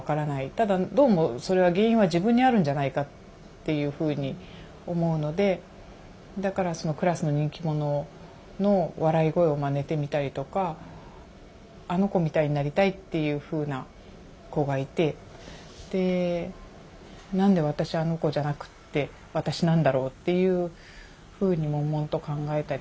ただどうもそれは原因は自分にあるんじゃないかっていうふうに思うのでだからクラスの人気者の笑い声をまねてみたりとかあの子みたいになりたいっていうふうな子がいてで何で私あの子じゃなくって私なんだろうっていうふうにもんもんと考えたり。